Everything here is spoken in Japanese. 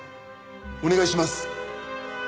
お願いします。